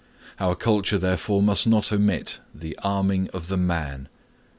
Our culture therefore must not omit the arming of the man.